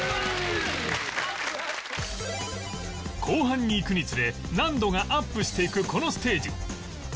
後半にいくにつれ難度がアップしていくこのステージ